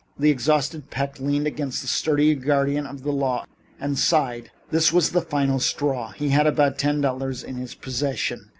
The exhausted Peck leaned against the sturdy guardian of the law and sighed. This was the final straw. He had about ten dollars in his possession.